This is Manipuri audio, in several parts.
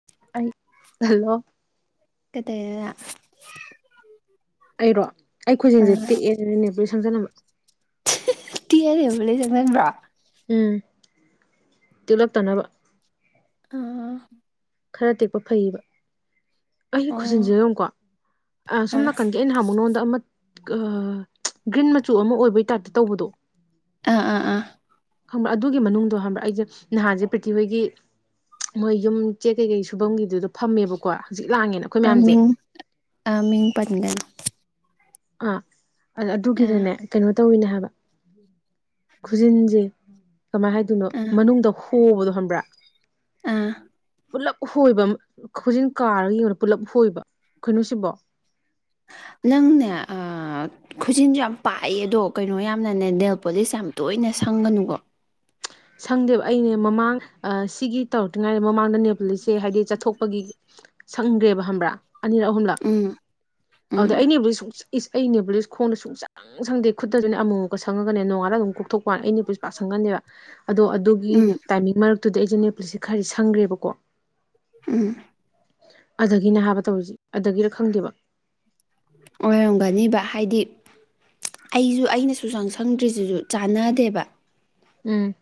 ꯎ [inaudible] ꯑꯩ ꯍꯜꯂꯣ ꯀꯩꯗꯧꯔꯤꯅꯣ ꯅꯪ ꯑꯩꯔꯣ ꯑꯩ ꯈꯨꯖꯤꯟꯁꯦ ꯇꯦꯛꯑꯦꯅꯅꯦ ꯅꯦꯝꯄꯨꯂꯤꯁ ꯁꯪꯖꯜꯂꯝꯕ ꯇꯦꯛꯑꯅ ꯅꯦꯝꯄꯣꯂꯤꯁ ꯁꯡꯖꯤꯟꯕꯔꯣ ꯎꯝ ꯇꯤꯛꯂꯛꯇꯅꯕ ꯑ ꯈꯔ ꯇꯦꯛꯄ ꯐꯩꯌꯦꯕ ꯑꯩꯅ ꯈꯨꯁꯤꯟꯁꯦ ꯌꯦꯡꯉꯨꯀꯣ ꯁꯣꯝ ꯑꯥ ꯅꯥꯀꯟꯒꯤ ꯑꯩꯅ ꯅꯍꯥꯟꯨꯛꯉꯣꯟꯗ ꯑꯃ ꯒ꯭ꯔꯤꯟ ꯃꯆꯨ ꯑꯃ ꯑꯣꯏꯕꯩ ꯇꯥꯏꯞꯇ ꯇꯧꯕꯗꯣ ꯑꯥ ꯑꯥ ꯑꯥ ꯈꯪꯕ꯭ꯔꯥ ꯑꯗꯨꯒꯤ ꯃꯅꯨꯡꯗꯣ ꯈꯪꯕ꯭ꯔꯥ ꯑꯩꯁꯦ ꯅꯍꯥꯟꯁꯦ ꯄ꯭ꯔꯤꯊꯤꯍꯣꯢꯒꯤ ꯃꯣꯏ ꯌꯨꯝ ꯆꯦꯛ ꯀꯩꯀꯩ ꯁꯨꯐꯝꯒꯤꯗꯨꯗ ꯐꯝꯃꯦꯕꯀꯣ ꯍꯧꯖꯤꯛ ꯂꯥꯡꯉꯦꯅ ꯑꯩꯈꯣꯏ ꯃꯌꯥꯝꯁꯦ ꯑꯥ ꯃꯤꯡ ꯄꯥꯟꯒꯅꯟ ꯑꯥ ꯑꯥ ꯑꯗꯨꯒꯤꯗꯅꯦ ꯀꯩꯅꯣ ꯇꯧꯋꯤꯅꯦ ꯍꯥꯏꯕ ꯈꯨꯖꯤꯟꯁꯦ ꯀꯃꯥꯏꯅ ꯍꯥꯏꯗꯣꯏꯅꯣ ꯑꯥ ꯃꯅꯨꯡꯗ ꯍꯣꯕꯗꯣ ꯈꯪꯕ꯭ꯔꯥ ꯑꯥ ꯄꯨꯂꯞ ꯈꯣꯏꯕ ꯈꯨꯖꯤꯟ ꯀꯥꯔꯒ ꯑꯣꯏꯅ ꯄꯨꯂꯞ ꯈꯣꯏꯕ ꯀꯩꯅꯣ ꯁꯤꯕꯣ ꯅꯪꯅꯦ ꯑꯥ ꯈꯨꯖꯤꯟꯁꯨ ꯌꯥꯝ ꯄꯥꯛꯑꯦ ꯑꯗꯣ ꯀꯩꯅꯣ ꯌꯥꯝꯅꯅꯦ ꯅꯦꯜ ꯄꯣꯂꯤꯁ ꯌꯥꯝ ꯇꯣꯏꯅ ꯁꯪꯒꯅꯨꯀꯣ ꯁꯪꯗꯦꯕ ꯑꯩꯅꯦ ꯃꯃꯥꯡ ꯁꯤꯒꯤ ꯇꯧꯔꯛꯇ꯭ꯔꯤꯉꯩꯗ ꯃꯃꯥꯡꯗ ꯅꯦꯜꯄꯂꯤꯁꯦ ꯍꯥꯏꯗꯤ ꯆꯠꯊꯣꯛꯄꯒꯤ ꯁꯪꯗ꯭ꯔꯦꯕ ꯈꯪꯕ꯭ꯔꯥ ꯑꯅꯤꯔꯛ ꯑꯍꯨꯝꯂꯛ ꯎꯝ ꯑꯗꯨꯗ ꯎꯝ ꯑꯩ ꯅꯦꯜꯄꯣꯂꯤꯁ ꯁꯨꯡ ꯏꯁ ꯑꯩ ꯅꯦꯕꯣꯂꯤꯁ ꯈꯣꯡꯗ ꯁꯨꯡ ꯁꯥꯡ ꯁꯨꯡ ꯁꯪꯗꯦ ꯈꯨꯠꯇꯁꯨꯅꯦ ꯑꯃꯨꯛꯃꯨꯛꯀ ꯁꯪꯉꯒꯅꯦ ꯅꯣꯡꯉꯥꯜꯂꯒ ꯑꯗꯨꯝ ꯀꯣꯛꯊꯣꯛꯄꯩ ꯋꯥꯅꯦ ꯑꯩꯩꯅ ꯅꯦꯜꯄꯣꯂꯤꯁ ꯄꯥꯛꯅ ꯁꯪꯒꯥꯟꯗꯦꯕ ꯑꯗꯣ ꯑꯗꯨꯒꯤ ꯎꯝ ꯇꯥꯏꯃꯤꯡ ꯃꯔꯛꯇꯨꯗ ꯑꯩꯁꯦ ꯅꯦꯜꯄꯂꯤꯁꯁꯦ ꯈꯔꯗꯤ ꯁꯪꯈ꯭ꯔꯦꯕꯀꯣ ꯎꯝ ꯑꯗꯒꯤꯅꯦ ꯍꯥꯏꯕ ꯇꯧꯔꯤꯁꯦ ꯑꯗꯒꯤꯔ ꯈꯪꯗꯦꯕ ꯑꯣꯏꯔꯝꯒꯅꯤꯕ ꯍꯥꯏꯗꯤ ꯑꯩꯁꯨ ꯑꯩꯅꯁꯨ ꯁꯨꯡꯁꯪ ꯁꯪꯗ꯭ꯔꯤꯁꯤꯁꯨ ꯆꯥꯟꯅꯗꯦꯕ ꯎꯝ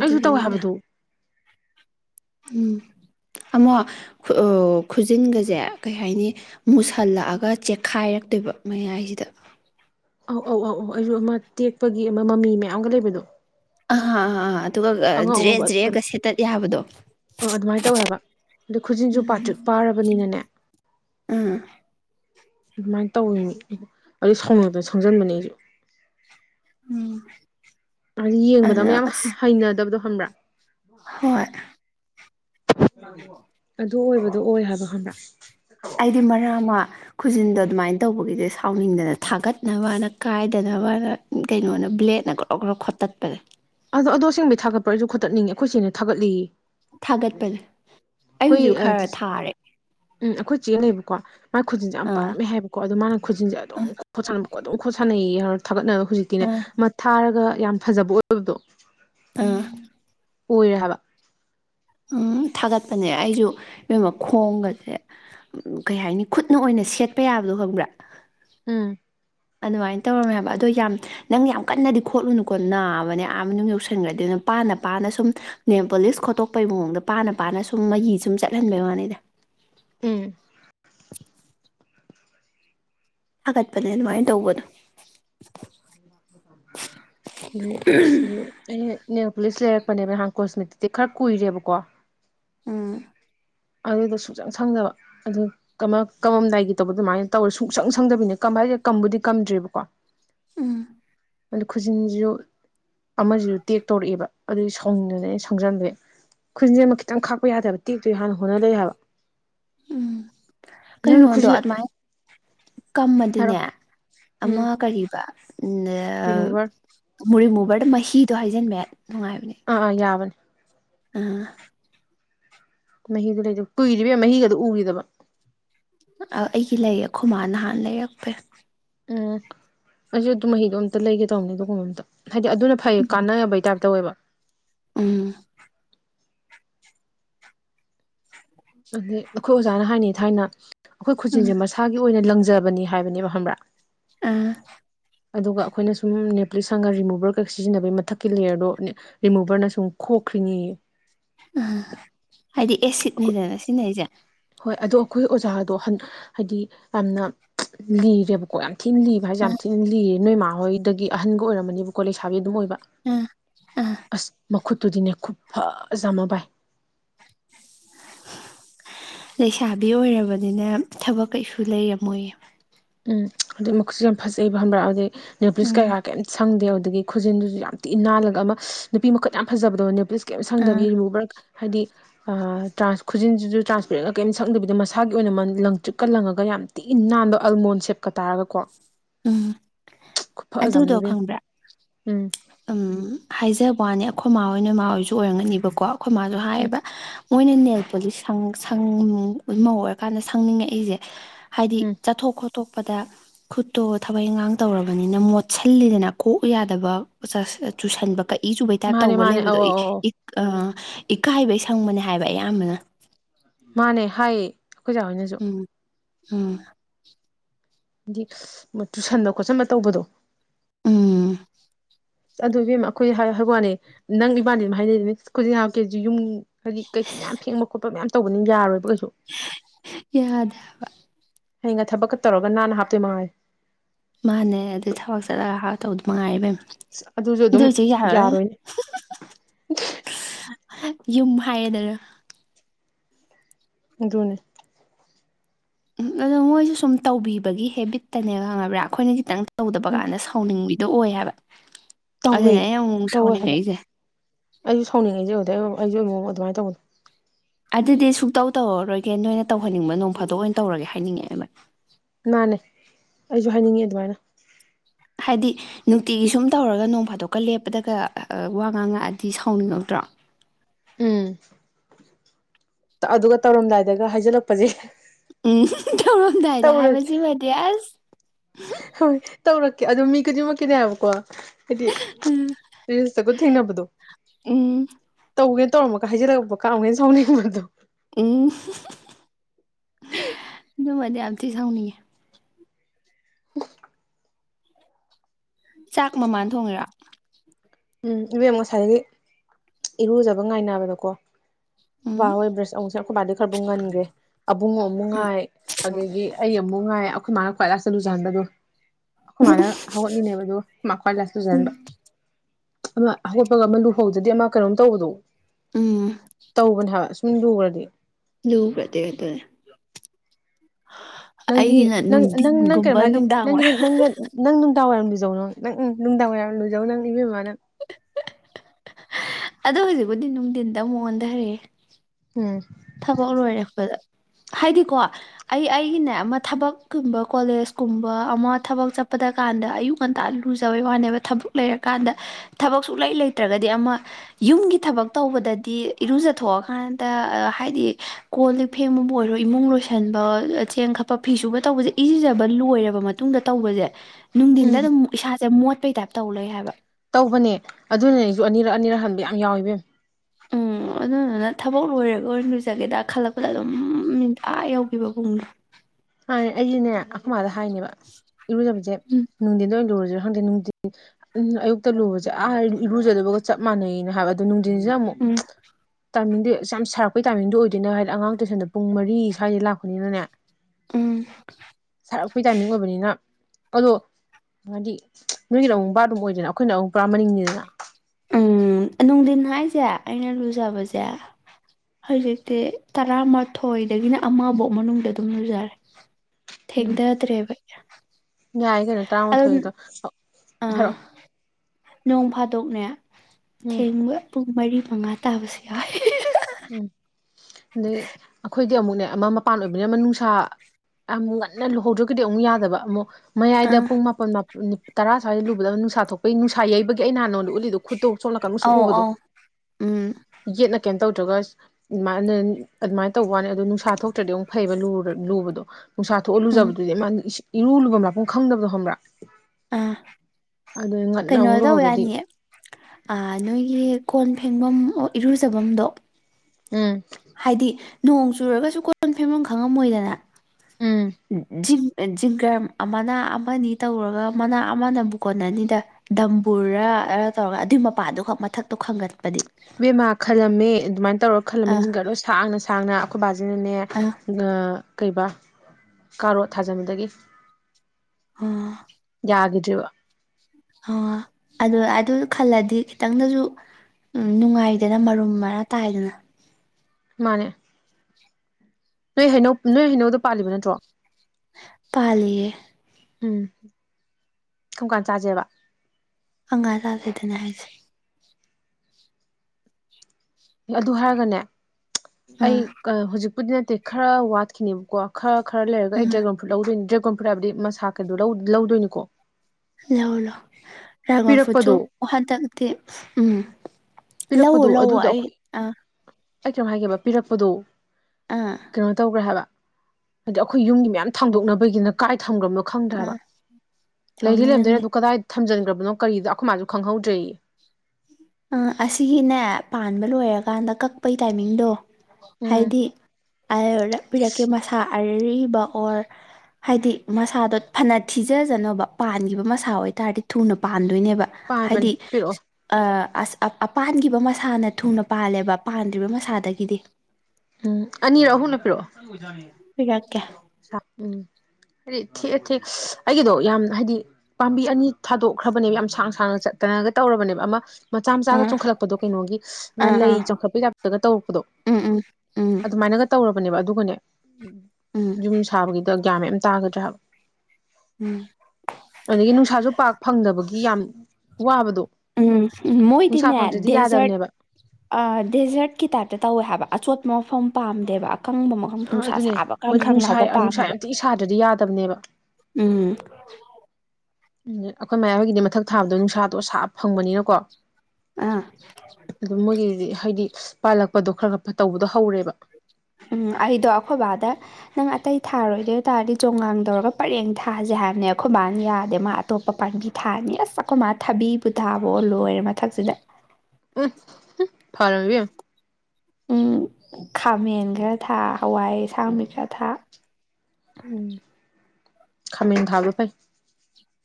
ꯑꯩꯁꯨ ꯇꯧꯋꯦ ꯍꯥꯏꯕꯗꯣ ꯎꯝ ꯑꯃꯨꯛ ꯈꯨꯖꯤꯟꯒꯁꯦ ꯀꯩ ꯍꯥꯏꯅꯤ ꯃꯨꯁꯜꯂꯛꯑꯒ ꯆꯦꯛꯈꯥꯏꯔꯛꯇꯣꯏꯕ ꯃꯌꯥꯏꯁꯤꯗ ꯑꯧ ꯑꯧ ꯑꯧ ꯑꯧ ꯑꯩꯁꯨ ꯑꯃ ꯇꯦꯛꯄꯒꯤ ꯑꯃ ꯃꯃꯤ ꯃꯌꯥꯝꯒ ꯂꯩꯕꯗꯣ ꯑꯍꯥ ꯑꯥ ꯑꯗꯨꯒ ꯑꯉꯧ ꯖ꯭ꯔꯦꯠ ꯑꯉꯧꯕ ꯖ꯭ꯔꯦꯠꯒ ꯁꯦꯠꯇꯠ ꯌꯥꯕꯗꯣ ꯑꯗꯨ ꯈꯨꯖꯤꯟꯁꯨ ꯄꯥꯗꯔꯤꯛ ꯄꯥꯔꯕꯅꯤꯅꯅꯦ ꯎꯝ ꯑꯗꯨꯃꯥꯏꯅ ꯇꯧꯋꯤ ꯑꯗꯩ ꯁꯥꯎꯅꯤꯡꯂꯛꯇꯅ ꯁꯪꯖꯟꯕꯅꯦ ꯑꯩꯁꯨ ꯎꯝ ꯑꯗꯨ ꯌꯦꯡꯕꯗ ꯑꯗꯨꯅ ꯌꯥꯝ ꯑꯁ ꯍꯩꯅꯗꯕꯗꯣ ꯈꯪꯕ꯭ꯔꯥ ꯍꯣꯏ ꯑꯗꯨ ꯑꯣꯏꯕꯗꯣ ꯑꯣꯏ ꯍꯥꯏꯕ ꯈꯪꯕ꯭ꯔꯥ ꯑꯩꯗꯤ ꯃꯔꯥꯛ ꯑꯃ ꯈꯨꯖꯤꯟꯗꯣ ꯑꯗꯨꯃꯥꯏꯅ ꯇꯧꯕꯒꯤꯗꯤ ꯁꯥꯎꯅꯤꯡꯗꯅ ꯊꯥꯒꯠꯅꯕꯅ ꯀꯥꯏꯗꯅꯕꯅ ꯀꯩꯅꯣꯅ ꯕ꯭ꯂꯦꯛꯅ ꯈ꯭ꯔꯣ ꯈ꯭ꯔꯣ ꯈꯣꯠꯇꯠꯄꯅꯦ ꯑꯗꯣ ꯑꯗꯣ ꯑꯁꯦꯡꯕꯩ ꯊꯥꯒꯠꯄꯔꯣ ꯑꯩꯁꯨ ꯈꯨꯠꯇꯠꯅꯤꯡꯉꯦ ꯑꯩꯈꯣꯏ ꯆꯦꯅ ꯊꯥꯒꯠꯂꯦꯌꯦ ꯊꯥꯒꯠꯄꯅꯦ ꯑꯩ ꯑꯩꯈꯣꯢ ꯍꯧꯖꯤꯛ ꯈꯔ ꯊꯥꯔꯦ ꯎꯝ ꯑꯩꯈꯣꯏ ꯆꯦ ꯂꯩꯕꯀꯣ ꯃꯥꯒꯤ ꯈꯨꯖꯤꯟꯁꯦ ꯌꯥꯝ ꯑꯥ ꯄꯥꯔꯝꯃꯦ ꯍꯥꯏꯕꯀꯣ ꯑꯗꯣ ꯃꯥꯅ ꯈꯨꯖꯤꯟꯁꯦ ꯑꯗꯨꯝ ꯈꯣꯠ ꯁꯥꯟꯅꯕ ꯑꯗꯨꯝ ꯈꯣꯠ ꯁꯥꯟꯅꯩꯌꯦ ꯊꯥꯒꯠꯅꯕ ꯍꯧꯖꯤꯛꯇꯤꯅꯦ ꯑꯥ ꯑꯃ ꯊꯥꯔꯒ ꯌꯥꯝ ꯐꯖꯕ ꯑꯣꯏꯕꯗꯣ ꯑꯥ ꯑꯣꯏꯔꯦ ꯍꯥꯏꯕ ꯎꯝ ꯊꯥꯒꯠꯄꯅꯦ ꯑꯩꯁꯨ ꯏꯕꯦꯝꯃ ꯈꯣꯡꯒꯁꯦ ꯀꯩ ꯍꯥꯏꯅꯤ ꯈꯨꯠꯅ ꯑꯣꯏꯅ ꯁꯦꯠꯄ ꯌꯥꯕꯗꯣ ꯈꯪꯕ꯭ꯔꯥ ꯎꯝ ꯑꯗꯨꯃꯥꯏꯅ ꯇꯧꯔꯝꯃꯦ ꯍꯥꯏꯕ ꯑꯗꯣ ꯌꯥꯝ ꯅꯪ ꯌꯥꯝ ꯀꯟꯅꯗꯤ ꯈꯣꯠꯂꯨꯅꯨꯀꯣ ꯅꯥꯕꯅꯦ ꯑꯥ ꯃꯅꯨꯡ ꯌꯧꯁꯟꯈ꯭ꯔꯗꯤ ꯑꯗꯨꯅ ꯄꯥꯅ ꯄꯥꯅ ꯁꯨꯝ ꯅꯦꯜꯄꯣꯂꯤꯁ ꯈꯣꯠꯇꯣꯛꯄꯩ ꯃꯑꯣꯡꯗ ꯄꯥꯅ ꯄꯥꯅ ꯁꯨꯝ ꯃꯍꯤ ꯁꯨꯝ ꯆꯠꯍꯟꯕꯩ ꯋꯥꯅꯤꯗ ꯎꯝ ꯍꯥꯒꯠꯄꯅꯦ ꯑꯗꯨꯃꯥꯏꯅ ꯇꯧꯕꯗꯣ [unintelligible] ꯑꯦ ꯅꯜꯄꯨꯂꯤꯁ ꯂꯩꯔꯛꯄꯅꯦꯕ ꯅꯍꯥꯟ ꯀꯣꯁꯃꯦꯇꯤꯛꯇꯤ ꯈꯔ ꯀꯨꯏꯔꯦꯕꯀꯣ ꯎꯝ ꯑꯗꯨꯗ ꯁꯨꯡꯆꯪ ꯁꯪꯗꯕ ꯑꯗꯨ ꯀꯃꯝꯗꯥꯏꯒꯤ ꯇꯧꯕ ꯑꯗꯨꯃꯥꯏꯅ ꯇꯧꯔ ꯁꯨꯡꯁꯪ ꯁꯪꯗꯕꯤꯅꯦ ꯀꯝ ꯍꯥꯏꯁꯦ ꯀꯝꯕꯨꯗꯤ ꯀꯝꯗ꯭ꯔꯤꯕꯀꯣ ꯎꯝ ꯑꯗꯨ ꯈꯨꯖꯤꯟꯁꯤꯁꯨ ꯑꯃꯁꯤꯁꯨ ꯇꯦꯛ ꯇꯧꯔꯛꯑꯦꯕ ꯑꯗꯨꯒꯤ ꯁꯥꯎꯅꯤꯡꯗꯅ ꯑꯩꯅ ꯁꯪꯖꯟꯕ ꯍꯦꯛ ꯈꯨꯖꯤꯟꯁꯦ ꯑꯃ ꯈꯤꯇꯪ ꯈꯥꯛꯄ ꯌꯥꯗꯕ ꯇꯦꯛꯇꯧ ꯍꯥꯟꯅ ꯍꯣꯠꯅꯔ ꯂꯩ ꯍꯥꯏꯕ ꯎꯝ ꯅꯪꯁꯨ ꯀꯩꯅꯣꯗꯣ ꯈꯨꯖꯤꯟ ꯑꯗꯨꯗꯃꯥꯏ ꯍꯥꯏꯔꯣ ꯀꯝꯃꯗꯤꯅꯦ ꯑꯃ ꯀꯔꯤꯕ ꯎꯝ ꯔꯤꯃꯨꯚ꯭ꯔ ꯔꯤꯃꯨꯚꯔꯗ ꯃꯍꯤꯗꯣ ꯍꯥꯏꯖꯤꯟꯕ ꯅꯨꯡꯉꯥꯏꯕꯅꯦ ꯑꯥ ꯑꯥ ꯌꯥꯕꯅꯤ ꯎꯝ ꯃꯍꯤꯗꯨ ꯂꯩꯕ ꯀꯨꯏꯔꯦꯏꯕꯦꯝꯃ ꯃꯍꯤꯒꯗꯨ ꯎꯈꯤꯗꯕ ꯑꯩꯒꯤ ꯂꯩ ꯑꯩꯈꯣꯢ ꯃꯥꯅ ꯅꯍꯥꯟ ꯂꯩꯔꯛꯄꯩ ꯎꯝ ꯑꯩꯁꯨ ꯑꯗꯨ ꯃꯍꯤꯗꯣ ꯑꯝꯇ ꯂꯩꯒꯦ ꯇꯧꯕꯅꯦ ꯑꯗꯨꯒꯕ ꯑꯝꯇ ꯍꯥꯏꯗꯤ ꯑꯗꯨꯅ ꯐꯩ ꯎꯝ ꯀꯥꯟꯅꯕꯩ ꯇꯥꯏꯞꯇ ꯇꯧꯋꯦꯕ ꯎꯝ ꯑꯗꯩ ꯑꯩꯈꯣꯏ ꯑꯣꯖꯥꯅ ꯍꯥꯏꯅꯦ ꯊꯥꯏꯅ ꯑꯩꯈꯣꯏ ꯈꯨꯖꯤꯟꯁꯦ ꯃꯁꯥꯒꯤ ꯑꯣꯏꯅ ꯂꯪꯖꯕꯅꯤ ꯍꯥꯏꯕꯅꯦꯕ ꯈꯡꯕ꯭ꯔꯥ ꯑꯥ ꯑꯗꯨꯒ ꯑꯩꯈꯣꯏꯅ ꯁꯨꯝ ꯅꯦꯜꯄꯣꯂꯤꯁ ꯁꯪꯉ ꯔꯤꯃꯨꯕꯔꯒꯩ ꯁꯤꯖꯤꯟꯅꯕꯒꯤ ꯃꯊꯛꯀꯤ ꯂꯦꯌꯔꯗꯣ ꯔꯤꯃꯨꯚꯔꯅ ꯁꯨꯝ ꯈꯣꯛꯈ꯭ꯔꯤꯅꯤꯌꯦ ꯑ ꯍꯥꯏꯗꯤ ꯑꯦꯁꯤꯠꯅꯤꯗꯅ ꯁꯤꯖꯤꯟꯅꯩꯁꯦ ꯍꯣꯏ ꯑꯗꯣ ꯑꯩꯈꯣꯏ ꯑꯣꯖꯥꯗꯣ ꯍꯥꯏꯗꯤ ꯌꯥꯝꯅ ꯂꯤꯔꯦꯕꯀꯣ ꯌꯥꯝ ꯊꯤꯅ ꯂꯤꯕ ꯍꯥꯏꯁꯦ ꯑꯥ ꯌꯥꯝ ꯊꯤꯅ ꯂꯤꯔꯦ ꯅꯣꯏ ꯃꯥꯥꯍꯣꯏꯗꯒꯤ ꯑꯍꯟꯒ ꯑꯣꯏꯔꯝꯃꯅꯤꯕ ꯂꯩꯁꯥꯕꯤ ꯑꯗꯨꯝ ꯑꯣꯏꯕ ꯎꯝ ꯑꯁ ꯃꯈꯨꯠꯇꯨꯗꯤꯅꯦ ꯈꯨꯨ ꯐꯖꯃ ꯚꯥꯏ ꯂꯩꯁꯥꯕꯤ ꯑꯣꯏꯔꯕꯅꯤꯅ ꯊꯕꯛ ꯀꯩꯁꯨ ꯂꯩꯔꯝꯃꯣꯏ ꯎꯝ ꯑꯗꯨꯗꯩ ꯃꯈꯨꯠꯁꯨ ꯌꯥꯝ ꯐꯖꯩꯑꯕ ꯈꯪꯕ꯭ꯔꯥ ꯑꯗꯨꯗꯗꯤ ꯅꯦꯄꯨꯂꯤꯁ ꯎꯝ ꯀꯌꯥ ꯀꯩꯝꯇ ꯁꯪꯗꯦ ꯑꯗꯨꯗꯒꯤ ꯈꯨꯖꯤꯟꯗꯨꯁꯨ ꯌꯥꯝ ꯊꯤꯅ ꯅꯥꯜꯂꯒ ꯑꯃ ꯅꯨꯄꯤ ꯃꯈꯨꯠ ꯌꯥꯝ ꯐꯖꯕꯗꯣ ꯅꯦꯜꯄ꯭ꯣꯂꯤꯁ ꯀꯩꯝ ꯑꯥ ꯁꯪꯗꯕꯤ ꯔꯤꯃꯨꯕꯔ ꯍꯥꯏꯗꯤ ꯇ꯭ꯔꯥꯟ ꯈꯨꯖꯤꯟꯁꯤꯁꯨ ꯇ꯭ꯔꯥꯟꯁꯄꯦꯔꯦꯟꯒ ꯀꯔꯤꯝ ꯁꯪꯗꯕꯤꯗ ꯃꯁꯥꯒꯤ ꯑꯣꯏꯅ ꯂꯪ ꯊꯔꯤꯛꯀ ꯂꯪꯉꯒ ꯌꯥꯝ ꯊꯤ ꯅꯥꯟꯕ ꯑꯜꯃꯣꯟ ꯁꯦꯞꯀ ꯇꯥꯔꯒꯀꯣ ꯎꯝ ꯈꯨꯐꯖ ꯑꯃꯅꯤ ꯑꯗꯨꯗꯣ ꯏꯕꯦꯝ ꯈꯪꯕ꯭ꯔꯥ ꯎꯝ ꯎꯝ ꯍꯥꯏꯖꯕ ꯋꯥꯅꯤ ꯑꯩꯈꯣꯏ ꯃꯥꯥ ꯍꯣꯏꯅꯣꯏ ꯏꯃꯥꯍꯣꯏꯁꯨ ꯑꯣꯏꯔꯝꯒꯅꯤꯕꯀꯣ ꯑꯩꯈꯣꯏ ꯃꯥꯁꯨ ꯎꯝ ꯍꯥꯏꯌꯦꯕ ꯃꯣꯏꯅ ꯅꯦꯜꯄꯣꯂꯤꯁ ꯃꯧ ꯑꯣꯏꯔꯀꯥꯟꯗ ꯁꯪꯅꯤꯡꯉꯛꯏꯁꯦ ꯍꯥꯏꯗꯤ ꯎꯝ ꯆꯠꯊꯣꯛ ꯈꯣꯠ ꯑꯇꯣꯞꯄꯗ ꯈꯨꯠꯇꯣ ꯊꯕꯛ ꯏꯪꯈꯥꯡ ꯇꯧꯔꯕꯅꯤꯅ ꯃꯣꯠꯁꯤꯜꯂꯤꯗꯅ ꯀꯣꯛꯎ ꯌꯥꯗꯕ ꯆꯨꯁꯟꯕ ꯀꯛꯏ ꯆꯨꯕꯩ ꯇꯥꯏꯞ ꯃꯥꯅꯦ ꯇꯧꯕ ꯃꯥꯅꯦ ꯂꯩꯕꯗꯣ ꯑꯧ ꯏ ꯑꯧ ꯑꯧ ꯑꯧ ꯏꯀꯥꯏꯕꯩ ꯁꯪꯕꯅꯦ ꯍꯥꯏꯕ ꯑꯌꯥꯝꯕꯅ ꯃꯥꯅꯦ ꯍꯥꯏꯌꯦ ꯑꯩꯈꯣꯏꯖꯥ ꯍꯣꯏꯅꯁꯨ ꯎꯝ ꯎꯝ ꯇꯨꯁꯟꯗ ꯈꯣꯠꯆꯟꯕ ꯇꯧꯕꯗꯣ ꯎꯝ ꯑꯗꯨ ꯏꯕꯦꯝ ꯑꯩꯈꯣꯏ ꯍꯥꯏꯕ ꯋꯥꯅꯦ ꯅꯪ ꯏꯕꯥꯅꯤ ꯍꯥꯏꯅꯔꯤ ꯍꯥꯞꯀꯦ ꯌꯨꯝ ꯍꯥꯏꯖꯤꯛ ꯀꯩ ꯀꯩ ꯃꯌꯥꯝ ꯐꯦꯡꯕ ꯈꯣꯠꯄ ꯃꯌꯥꯝ ꯇꯧꯕꯅꯤ ꯌꯥꯔꯣꯏꯕ ꯀꯩꯁꯨ ꯌꯥꯗꯦꯍꯥꯏꯕ ꯍꯩꯅ ꯊꯕꯛꯀ ꯇꯧꯔꯒ ꯅꯥꯟꯅ ꯍꯥꯞꯇꯣꯏ ꯃꯉꯥꯏ ꯃꯥꯅꯦ ꯑꯗꯨꯗꯩ ꯊꯕꯛ ꯆꯠꯂꯒ ꯍꯞ ꯇꯧꯗ ꯃꯉꯥꯏꯔꯤꯕꯦꯝ ꯑꯗꯨꯁꯨ ꯑꯗꯨꯝ ꯗꯣꯏꯁꯤ ꯌꯥꯔꯣꯏꯅꯦ [unintelligible] ꯌꯨꯝ ꯍꯥꯏꯌꯦꯗꯅ ꯑꯗꯨꯅꯦ ꯑꯗꯣ ꯃꯣꯏꯁꯨ ꯁꯨꯝ ꯇꯧꯕꯤꯕꯒꯤ ꯍꯦꯕꯤꯠꯇꯅꯦ ꯈꯪꯉꯕ꯭ꯔꯥ ꯑꯩꯈꯣꯏꯅ ꯈꯤꯇꯪ ꯇꯧꯗꯕ ꯎꯝ ꯀꯥꯟꯗ ꯁꯥꯎꯅꯤꯡꯕꯤꯗꯣ ꯑꯣꯏ ꯍꯥꯏꯕ ꯑꯗꯨꯅ ꯇꯧꯋꯦ ꯑꯩ ꯇꯧꯋꯦ ꯍꯥꯏꯕ ꯁꯥꯎꯅꯤꯡꯉꯛꯏꯁꯦ ꯑꯩꯁꯨ ꯁꯥꯎꯅꯤꯡꯉꯏꯁꯦ ꯑꯣꯏꯗꯩ ꯑꯩꯁꯨ ꯑꯣꯏꯕꯣ ꯑꯗꯨꯃꯥꯏꯅ ꯇꯧꯕꯗꯣ ꯑꯗꯨꯗꯤ ꯁꯨꯛꯇꯧ ꯇꯧꯔꯔꯣꯏꯒꯦ ꯅꯣꯏꯅ ꯇꯧꯍꯟꯅꯤꯡꯕ ꯅꯣꯡ ꯐꯥꯗꯣꯛ ꯑꯣꯏꯅ ꯇꯧꯔꯒꯦ ꯍꯥꯏꯅꯤꯡꯉꯛꯑꯦꯕ ꯃꯥꯅꯦ ꯑꯩꯁꯨ ꯍꯥꯏꯅꯤꯡꯉꯤ ꯑꯗꯨꯃꯥꯏꯅ ꯍꯥꯏꯗꯤ ꯅꯨꯡꯇꯤꯒꯤ ꯁꯨꯝ ꯇꯧꯔꯒ ꯅꯣꯡ ꯐꯥꯗꯣꯛꯀ ꯂꯦꯞꯄꯗꯒ ꯋꯥ ꯉꯥꯡ ꯉꯥꯛꯑꯗꯤ ꯁꯥꯎꯅꯤꯡꯉꯛꯇ꯭ꯔꯣ ꯎꯝ ꯑꯗꯨꯒ ꯇꯧꯔꯝꯗꯥꯏꯗꯒ ꯍꯥꯏꯖꯜꯂꯛꯄꯁꯦ ꯎꯝ [unintelligible] ꯇꯧꯔꯝꯗꯥꯏꯗ ꯍꯥꯏꯕꯁꯤꯃꯗꯤ ꯑꯁ ꯍꯣꯏ ꯇꯧꯔꯛꯀꯦ ꯑꯗꯣ ꯃꯤ ꯈꯨꯗꯤꯡꯃꯛꯀꯤꯅꯦꯕꯀꯣ ꯍꯥꯏꯗꯤ [unintelligible] ꯇꯒ ꯊꯦꯡꯅꯕꯗꯨ ꯎꯝ ꯇꯧꯒꯦ ꯇꯧꯔꯝꯃꯒ ꯍꯥꯏꯖꯤꯜꯂꯛꯄ ꯀꯥꯝꯒꯅ ꯁꯥꯎꯅꯤꯡꯕꯗꯣ ꯎꯝ [unintelligible] ꯑꯗꯨ ꯃꯅꯤ ꯌꯥꯝ ꯊꯤꯅꯥ ꯁꯥꯎꯅꯤ [inaudible] ꯆꯥꯛ ꯃꯃꯥꯟ ꯊꯣꯡꯉꯦꯔꯥ ꯎꯝ ꯏꯕꯦꯝ ꯉꯁꯥꯏꯗꯒꯤ ꯏꯔꯨꯖꯕ ꯉꯥꯏꯅꯕꯗꯀꯣ ꯈꯨꯕꯥ ꯎꯝ ꯑꯣꯏꯕ꯭ꯔꯦꯁ ꯑꯨ ꯁꯔ ꯈꯨꯕꯥꯗꯤ ꯈꯔꯕꯨꯨꯡ ꯉꯟꯒꯦ ꯑꯕꯨꯡ ꯑꯃꯨꯛ ꯎꯝ ꯉꯥꯏ ꯑꯗꯒꯤ ꯑꯩ ꯑꯃꯨꯛ ꯉꯥꯏ ꯑꯩꯈꯣꯏ ꯃꯥꯅ ꯈ꯭ꯋꯥꯏ ꯂꯥꯛꯇ ꯂꯨꯖꯍꯟꯕꯗꯣ ꯑꯩꯈꯣꯏ ꯃꯥꯥꯏꯅ ꯍꯧꯒꯠꯂꯤꯅꯦꯕ [unintelligible] ꯈ꯭ꯋꯥꯏ ꯂꯥꯏꯇꯨꯖꯟꯕ ꯑꯃ ꯑꯒꯣꯠꯄꯒ ꯑꯃ ꯂꯨꯍꯧꯗꯗꯤ ꯑꯃ ꯀꯩꯅꯣꯝ ꯇꯧꯕꯗꯣ ꯎꯝ ꯇꯧꯕꯅꯦ ꯍꯥꯏ [unintelligible] ꯂꯨꯔꯗꯤ [unintelligible] ꯅꯪꯗꯤ ꯑꯩꯒꯤꯅ ꯅꯪ ꯅꯪ ꯅꯪ ꯅꯨꯡꯊꯤꯟꯒꯨꯝꯕ ꯀꯩꯅꯣ ꯍꯥꯏꯒꯦ ꯅꯨꯡꯗꯥꯡ ꯅꯪꯒꯤ ꯋꯥꯏꯔꯝ ꯅꯪꯅ ꯅꯪ ꯅꯨꯡꯗꯥꯡ ꯋꯥꯏꯔꯝ ꯂꯨꯖꯧ ꯅꯣ ꯅꯪ ꯅꯨꯡꯗꯥꯡ ꯋꯥꯏꯔꯝ ꯂꯣꯏꯖꯧ ꯅꯪ ꯏꯕꯦꯝ ꯃꯃꯥꯅ ꯑꯗꯣ ꯍꯧꯖꯤꯛꯄꯨꯗꯤ ꯅꯨꯡꯊꯤꯟꯗ ꯑꯃꯨꯛ ꯑꯣꯟꯊꯔꯦ ꯎꯝ ꯊꯕꯛ ꯂꯣꯏꯔꯦ ꯑꯩꯈꯣꯏꯗ ꯍꯥꯏꯗꯤꯀꯣ ꯑꯩ ꯑꯩꯒꯤꯅꯦ ꯑꯃ ꯊꯕꯛꯀꯨꯝꯕ ꯀꯣꯂꯦꯖꯀꯨꯝꯕ ꯑꯃ ꯊꯕꯛ ꯆꯠꯄꯗ ꯀꯥꯟꯗ ꯑꯌꯨꯛ ꯉꯟꯇꯥ ꯂꯨꯖꯕꯩ ꯋꯥꯅꯦꯕ ꯊꯕꯛ ꯂꯩꯔꯀꯥꯟꯗ ꯊꯕꯛ ꯁꯨꯛ ꯂꯩꯩ ꯂꯩꯇ꯭ꯔꯒꯗꯤ ꯑꯃ ꯌꯨꯝꯒꯤ ꯊꯕꯛ ꯇꯧꯕꯗꯗꯤ ꯏꯔꯨꯖꯊꯣꯛꯑꯀꯥꯟꯗ ꯍꯥꯏꯗꯤ ꯀꯣꯜ ꯂꯤ ꯐꯦꯡꯕꯕꯨ ꯑꯣꯏꯔꯣ ꯏꯃꯨꯡ ꯂꯣꯏꯁꯟꯕ ꯆꯦꯡ ꯈꯠꯄ ꯐꯤ ꯁꯨꯕ ꯇꯧꯕꯁꯦ ꯏꯖꯕ ꯂꯣꯏꯔꯕ ꯃꯇꯨꯡꯗ ꯇꯧꯕꯁꯦ ꯅꯨꯡꯊꯤꯟꯗ ꯎꯝ ꯑꯗꯨꯝ ꯏꯁꯥꯁꯦ ꯃꯣꯠꯄꯩ ꯇꯥꯏꯞ ꯇꯧ ꯂꯩ ꯍꯥꯏꯕ ꯇꯧꯕꯅꯦ ꯑꯗꯨꯅꯅꯦ ꯑꯩꯁꯨ ꯑꯅꯤꯔꯛ ꯑꯅꯤꯔꯛ ꯍꯟꯕ ꯌꯥꯝ ꯌꯥꯎꯏꯕꯦꯝ ꯎꯝ [inaudible] ꯑꯗꯨꯗꯨꯅ ꯊꯕꯛ ꯂꯣꯏꯔꯒ ꯑꯣꯏꯅ ꯂꯨꯖꯒꯦꯗ ꯈꯜꯂꯛꯄꯗ ꯑꯗꯨꯝ ꯃꯤ ꯑꯥ ꯌꯧꯈꯤꯕ ꯄꯨꯡꯗꯣ ꯃꯟꯅꯦ ꯑꯩꯗꯤꯅꯦ ꯑꯩꯈꯃꯗ ꯍꯥꯏꯅꯦꯕ ꯏꯔꯨꯖꯕꯁꯦ ꯎꯝ ꯅꯨꯡꯊꯤꯟꯗ ꯑꯣꯏꯅ ꯏꯨꯔꯨꯁꯤꯔꯣ ꯍꯪꯗꯦꯅꯨꯡ ꯎ ꯑꯌꯨꯛꯇ ꯂꯨꯕꯁꯦ ꯑꯥ ꯏꯔꯨꯖꯗꯕꯒ ꯆꯞ ꯃꯥꯟꯅꯩꯅꯦ ꯍꯥꯏꯕ ꯑꯗꯨ ꯅꯨꯡꯊꯤꯟꯁꯤ ꯑꯃꯨꯛ ꯎꯝ ꯇꯥꯏꯃꯤꯡꯗꯤ ꯑꯁ ꯌꯥꯝ ꯁꯥꯔꯛꯄꯒꯤ ꯇꯥꯏꯃꯤꯡꯗꯨ ꯑꯣꯏꯗꯣꯏꯅꯣ ꯍꯥꯏꯗꯤ ꯑꯉꯥꯡ ꯇꯨꯏꯁꯟꯗ ꯄꯨꯡ ꯃꯔꯤ ꯁ꯭ꯋꯥꯏꯗꯗꯒꯤ ꯂꯥꯛꯄꯅꯤꯅꯅꯦ ꯎꯝ ꯁꯥꯔꯛꯄꯒꯤ ꯇꯥꯏꯃꯤꯡ ꯑꯣꯏꯕꯅꯤꯅ ꯑꯗꯣ ꯍꯥꯏꯗꯤ ꯅꯣꯏꯒꯤꯅ ꯑꯃꯨꯛ ꯕꯥꯔ ꯑꯗꯨꯝ ꯑꯣꯏꯗꯅ ꯑꯩꯈꯣꯏꯅ ꯑꯃꯨꯛ ꯄꯔꯥ ꯃꯅꯤꯡꯅꯤꯗꯅ ꯎꯝ ꯅꯨꯡꯊꯤꯟ ꯍꯥꯏꯁꯦ ꯑꯩꯅ ꯂꯨꯖꯕꯁꯦ ꯍꯧꯖꯤꯛꯇꯤ ꯇꯔꯥꯃꯥꯊꯣꯏꯗꯒꯤꯅ ꯑꯃ ꯕꯧ ꯃꯅꯨꯡꯗ ꯑꯗꯨꯝ ꯂꯨꯖꯔꯦ ꯎꯝ ꯊꯦꯡꯊꯗ꯭ꯔꯦꯕ ꯌꯥꯏ ꯀꯩꯅꯣ ꯑꯗꯣ ꯇꯔꯥꯃꯥꯊꯣꯏꯗꯣ ꯑꯥ ꯍꯥꯏꯔꯛꯑꯣ ꯅꯣꯡ ꯐꯥꯗꯣꯛꯅꯦ ꯎꯝ ꯊꯦꯡꯕ ꯄꯨꯡ ꯃꯔꯤ ꯃꯉꯥ ꯇꯥꯕꯁꯨ ꯌꯥꯎꯏ [unintelligible] ꯎꯝ ꯑꯗꯩ ꯑꯩꯈꯣꯏꯗꯤ ꯑꯃꯨꯛꯅꯦ ꯑꯃ ꯃꯄꯥꯟ ꯑꯣꯏꯕꯅꯤ ꯑꯃ ꯅꯨꯡꯁꯥ ꯌꯥꯝ ꯉꯟꯅ ꯂꯨꯍꯧꯗ꯭ꯔꯒꯗꯤ ꯑꯃꯨꯛ ꯌꯥꯗꯕ ꯑꯃꯨꯛ ꯃꯌꯥꯏꯗ ꯑꯥ ꯄꯨꯡ ꯃꯥꯄꯟ ꯇꯔꯥ ꯁ꯭ꯋꯥꯏꯗ ꯂꯨꯕꯗꯝ ꯅꯨꯡꯁꯥ ꯊꯣꯛ ꯑꯣꯏ ꯅꯨꯡꯁꯥ ꯌꯩꯕꯒꯤ ꯑꯩ ꯅꯍꯥꯟ ꯅꯣꯟꯗ ꯎꯠꯂꯤꯗꯨꯣ ꯈꯨꯠꯇꯣ ꯆꯣꯠꯂꯀꯥꯟ ꯑꯧ ꯁꯣꯛꯎꯕꯗꯣ ꯑꯧ ꯎꯝ ꯌꯦꯠꯅ ꯀꯩꯝ ꯇꯧꯔꯤ ꯅꯠꯇ꯭ꯔꯒ ꯑꯗꯨꯃꯥꯏꯅ ꯑꯗꯨꯃꯥꯏꯅ ꯇꯧꯕ ꯋꯥꯅꯤ ꯑꯗꯨ ꯅꯨꯡꯁꯥ ꯊꯣꯛꯇ꯭ꯔꯗꯤ ꯑꯃꯨꯛ ꯐꯩꯕ ꯂꯨꯕꯗꯣ ꯅꯨꯡꯁꯥ ꯎꯝ ꯊꯣꯛꯍꯜꯂꯨꯖꯕꯗꯨꯗꯤ ꯃꯥ ꯏꯔꯨ ꯂꯨꯕꯥꯝ ꯂꯛꯐꯝ ꯈꯪꯗꯕꯗꯣ ꯈꯪꯕ꯭ꯔꯥ ꯑ ꯑꯗꯨ ꯉꯟꯅ ꯀꯩꯅꯣ ꯑꯃꯨꯛ ꯇꯧ ꯂꯨꯍꯧꯔꯗꯤ ꯌꯥꯅꯤꯌꯦ ꯑꯥ ꯅꯣꯏꯒꯤ ꯀꯣꯟ ꯐꯦꯡꯐꯝ ꯑꯣ ꯏꯔꯨꯖꯕꯝꯗꯣ ꯎꯝ ꯍꯥꯏꯗꯤ ꯅꯣꯡ ꯆꯨꯔꯒꯁꯨ ꯀꯣꯟꯣꯟ ꯐꯦꯟꯐꯝ ꯎꯝ ꯈꯪꯉꯝꯃꯣꯏꯗꯅꯖꯤꯝ ꯖꯤꯡꯒꯔ ꯑꯃꯅ ꯑꯃꯅꯤ ꯇꯧꯔꯒ ꯃꯅꯥ ꯑꯃꯅꯕꯨꯛ ꯀꯣꯟꯅꯅꯤꯗ ꯗꯝꯕꯨꯔ ꯇꯧꯔꯒ ꯑꯗꯨꯒꯤ ꯃꯄꯥꯥꯟꯗꯨ ꯈꯛ ꯃꯊꯛꯇꯣ ꯈꯪꯒꯠꯄꯗꯤ ꯑꯦꯃ ꯈꯜꯂꯝꯃꯦ ꯑꯗꯨꯃꯥꯏꯅ ꯇꯧꯔ ꯑꯥ ꯈꯜꯂꯝꯃꯤꯁꯤꯡꯒ ꯂꯣꯏ ꯁꯥꯡꯅ ꯁꯥꯡꯅ ꯑꯩꯈꯣꯏ ꯕꯥꯁꯤꯅꯅꯦ ꯑꯥ ꯉꯥ ꯀꯩꯕꯥ ꯀꯥꯔꯣ ꯊꯥꯖꯕꯗꯒꯤ ꯑꯥ ꯌꯥꯈꯤꯗ꯭ꯔꯤꯕ ꯑꯣ ꯑꯗꯨ ꯑꯗꯨ ꯈꯜꯂꯗꯤ ꯈꯤꯇꯪꯗꯁꯨ ꯎꯝ ꯅꯨꯡꯉꯥꯏꯗꯅ ꯃꯔꯨꯝ ꯃꯔꯥꯡ ꯇꯥꯏꯗꯅ ꯃꯥꯅꯦ ꯅꯣꯏ ꯍꯩꯅꯧ ꯅꯣꯏ ꯍꯩꯅꯧꯗ ꯄꯥꯜꯂꯤꯕ ꯅꯠꯇ꯭ꯔꯣ ꯄꯥꯜꯂꯤꯌꯦ ꯎꯝ ꯁꯨꯡꯀꯥꯟ ꯆꯥꯥꯁꯦꯕ ꯑꯉꯥꯡ ꯇꯥꯗꯗꯅ ꯍꯥꯏꯁꯦ ꯑꯗꯨ ꯍꯥꯏꯔꯒꯅꯦ ꯑꯩ ꯑꯥ ꯍꯧꯖꯤꯛꯄꯨꯗꯤ ꯅꯠꯇꯦ ꯈꯔ ꯋꯥꯠꯈꯤꯅꯦꯕꯀꯣ ꯈꯔ ꯈꯔ ꯂꯩꯔꯒ ꯑꯩ ꯑꯥ ꯗ꯭ꯔꯦꯒꯣꯟ ꯐ꯭ꯔꯨꯠ ꯂꯧꯗꯣꯏꯅꯤ ꯗ꯭ꯔꯦꯒꯣꯟ ꯐ꯭ꯔꯨꯠ ꯍꯥꯏꯕꯗꯤ ꯃꯁꯥ ꯀꯩꯗꯣ ꯂꯧꯗꯣꯏꯅꯤꯀꯣ ꯂꯥꯛꯑꯣ ꯂꯥꯛꯑꯣ ꯔꯥꯒꯣꯟ ꯐꯨꯠꯁꯨ ꯄꯤꯔꯛꯄꯗꯣ ꯍꯟꯗꯛꯇꯤ ꯎꯝ ꯂꯧꯑꯣ ꯄꯤꯔꯛꯄꯗꯣ ꯂꯧꯑꯣ ꯑꯗꯨꯗꯣ ꯑꯩ ꯑꯩꯈꯣꯏ ꯑ ꯑꯩ ꯀꯩꯅꯣ ꯍꯥꯏꯒꯦꯕ ꯄꯤꯔꯛꯄꯗꯨ ꯑꯥ ꯀꯩꯅꯣ ꯇꯧꯒ꯭ꯔꯦ ꯍꯥꯏꯕ ꯍꯥꯏꯗꯤ ꯑꯩꯈꯣꯏ ꯌꯨꯝꯒꯤ ꯃꯌꯥꯝ ꯊꯥꯡꯗꯣꯛꯅꯕꯒꯤꯅ ꯀꯥꯏ ꯊꯝꯈ꯭ꯔꯕ ꯈꯪꯗ꯭ꯔꯕ ꯑꯥ ꯂꯩꯗꯤ ꯇꯧꯅꯤ ꯂꯩꯝꯗꯣꯏꯅ ꯅꯪꯗꯤ ꯑꯗꯨ ꯀꯗꯥꯏ ꯊꯝꯖꯤꯟꯈ꯭ꯔꯕꯅꯣ ꯀꯔꯤꯗꯣ ꯑꯩꯈꯃꯅꯁꯨ ꯈꯪꯍꯧꯗ꯭ꯔꯦꯌꯦ ꯑ ꯑꯁꯤꯒꯤꯅꯦ ꯄꯥꯟꯕ ꯂꯣꯏꯔꯀꯥꯟꯗ ꯀꯛꯄꯩ ꯇꯥꯏꯃꯤꯡꯗꯣ ꯎꯝ ꯍꯥꯏꯗꯤ ꯑꯗꯨꯗ ꯄꯤꯔꯛꯀꯦ ꯃꯁꯥ ꯑꯔꯤꯕ ꯑꯣꯔ ꯍꯥꯏꯗꯤ ꯃꯁꯥꯗꯣ ꯐꯅ ꯊꯤꯖꯖꯅꯣꯅꯕ ꯄꯥꯟꯈꯤꯕ ꯃꯁꯥ ꯑꯣꯏꯇꯥꯥꯔꯗꯤ ꯊꯨꯅ ꯄꯥꯟꯗꯣꯏꯅꯦꯕ ꯄꯥꯟꯕꯅꯦ ꯍꯥꯏꯗꯤ ꯄꯤꯔꯛꯑꯣ ꯑꯁ ꯑꯄꯥꯟꯈꯤꯕ ꯃꯁꯥꯅ ꯊꯨꯅ ꯄꯥꯜꯂꯦꯕ ꯄꯥꯟꯗ꯭ꯔꯤꯕ ꯃꯁꯥꯗꯒꯤꯗꯤ ꯎꯝ ꯑꯅꯤꯔꯛ ꯑꯍꯨꯝꯂ ꯄꯤꯔꯛꯑꯣ ꯄꯤꯔꯛꯒꯦ ꯎꯝ ꯍꯥꯏꯗꯤ ꯊꯤꯑꯦ ꯑꯩꯒꯤꯗꯣ ꯌꯥꯝ ꯍꯥꯏꯗꯤ ꯄꯥꯝꯕꯤ ꯑꯅꯤ ꯊꯥꯗꯣꯛꯈ꯭ꯔꯕꯅꯦꯕ ꯌꯥꯝ ꯁꯥꯡ ꯁꯥꯡꯅ ꯆꯠꯇꯅꯒ ꯇꯧꯔꯕꯅꯦꯕ ꯑꯃ ꯃꯆꯥ ꯃꯆꯥꯒ ꯑꯥ ꯆꯣꯡꯈꯠꯂꯛꯄꯗꯣ ꯀꯩꯅꯣꯒꯤ ꯑꯃꯥ ꯑꯥ ꯂꯩ ꯑꯥ ꯆꯣꯡꯈꯠꯄꯩ ꯒ ꯇꯧꯔꯛꯄꯗꯣ ꯎꯝ ꯎꯝ ꯎꯝ ꯑꯗꯨꯃꯥꯏꯅꯒ ꯇꯧꯔꯕꯅꯦꯕ ꯑꯗꯨꯒꯅꯦ ꯎꯝ ꯌꯨꯝ ꯁꯥꯕꯒꯤꯗ ꯒ꯭ꯌꯥꯟ ꯑꯝ ꯇꯥꯒꯤꯗ꯭ꯔꯦꯕ ꯎꯝ ꯑꯗꯥꯒꯤ ꯅꯨꯡꯁꯥꯁꯨ ꯄꯥꯛ ꯐꯪꯗꯕꯒꯤ ꯌꯥꯝ ꯋꯥꯕꯗꯣ ꯎꯝ ꯎꯝ ꯅꯨꯡꯁꯥ ꯃꯣꯏꯗꯤꯅꯦ ꯐꯪꯗ꯭ꯔꯗꯤ ꯗꯦꯖ꯭ꯔ꯭ꯠ ꯌꯥꯗꯕꯅꯦꯕ ꯑ ꯗꯦꯖ꯭ꯔ꯭ꯠꯀꯤ ꯇꯥꯏꯞꯇ ꯇꯧꯋꯦ ꯍꯥꯏꯕ ꯑꯆꯣꯠꯄ ꯃꯐꯝ ꯄꯥꯝꯗꯦꯕ ꯑꯀꯪꯕ ꯃꯐꯝ ꯑꯝ ꯑꯥ ꯅꯨꯡꯁꯥ ꯑꯗꯨꯅꯦ ꯁꯥꯕ ꯥꯟꯗ ꯃꯣꯏꯗꯣ ꯈ꯭ꯔ ꯅꯨꯡꯁꯥ ꯂꯥꯎꯕ ꯅꯨꯡꯁꯥ ꯄꯥꯝꯃꯦꯕ ꯌꯥꯝ ꯊꯤ ꯁꯥꯗ꯭ꯔꯗꯤ ꯌꯥꯗꯕꯅꯦꯕ ꯎꯝ ꯎꯝ ꯑꯈꯣꯏ ꯃꯌꯥꯏ ꯍꯣꯏꯒꯤꯗꯤ ꯃꯊꯛ ꯊꯥꯕꯗꯣ ꯅꯨꯡꯁꯥꯗꯣ ꯁꯥꯕ ꯐꯪꯕꯅꯤꯅꯀꯣ ꯑꯥ ꯑꯗꯨꯝ ꯃꯣꯏꯒꯤꯗꯤ ꯍꯥꯏꯗꯤ ꯄꯥꯜꯂꯛꯄꯗꯣ ꯈꯔ ꯈꯔ ꯇꯧꯕꯗꯣ ꯍꯧꯔꯦꯕ ꯎꯝ ꯑꯩꯗꯣ ꯑꯈꯣꯏ ꯕꯗ ꯅꯪ ꯑꯇꯩ ꯊꯥꯔꯣꯏꯗꯣꯏ ꯑꯣꯏꯇ꯭ꯥꯔꯗꯤ ꯆꯣꯡꯒꯥꯡ ꯇꯧꯔꯒ ꯄꯥꯔꯦꯡ ꯊꯥꯥꯖꯦ ꯍꯥꯏꯕꯅꯦ ꯑꯈꯣꯏꯕꯥꯅ ꯌꯥꯗꯦ ꯃꯥ__ ꯇꯣꯞꯄ ꯄꯥꯝꯕꯤ ꯊꯥꯅꯤ ꯑꯁ ꯑꯈꯣꯢꯃꯥ ꯊꯕꯤꯕꯨ ꯊꯥꯕꯣ ꯋꯣ ꯂꯣꯏꯔꯦ ꯃꯊꯛꯁꯤꯗ ꯎꯝ ꯍꯨꯝ ꯐꯔꯕꯅꯦ ꯢꯕꯦꯝꯃꯥ ꯎꯝ ꯈꯥꯃꯦꯟ ꯈꯔ ꯊꯥ ꯍꯋꯥꯏ ꯑꯁꯥꯡ ꯕꯤ ꯈꯔ ꯊꯥ ꯎꯝ ꯈꯥꯃꯦꯟ ꯊꯥꯕꯗꯣ ꯐꯩ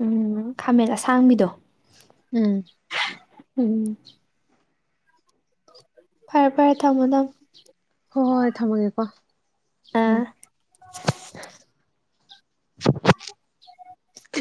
ꯎꯝ ꯈꯥꯃꯦꯟ ꯑꯁꯥꯡꯕꯤꯗꯣ ꯎꯝ ꯎꯝ ꯐꯔꯦ ꯐꯔꯦ ꯊꯝꯃꯣ ꯊꯝꯃꯣ ꯍꯣ ꯍꯣꯏ ꯊꯝꯃꯒꯦꯀꯣ ꯑꯥ ꯎꯝ